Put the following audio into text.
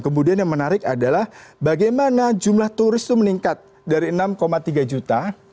kemudian yang menarik adalah bagaimana jumlah turis itu meningkat dari enam tiga juta